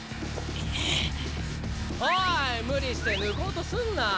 おい無理して抜こうとすんな。